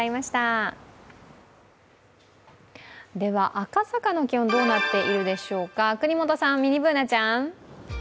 では赤坂の気温どうなっているでしょうか國本さん、ミニＢｏｏｎａちゃん。